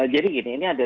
jadi gini ini ada